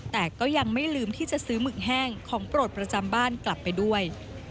แต่ก็ยังไม่ลืมที่จะซื้อหมึกแห้งของโปรดประจำบ้านกลับไปด้วย